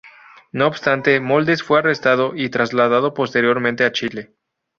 No obstante, Moldes fue arrestado y trasladado posteriormente a Chile.